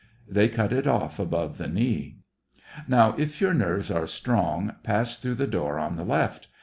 " They cut it off above the knee." Now, if your nerves are strong, pass through the door on the left.